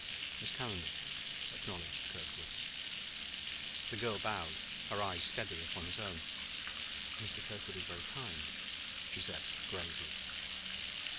"Miss Calendar," acknowledged Kirkwood. The girl bowed, her eyes steady upon his own. "Mr. Kirkwood is very kind," she said gravely.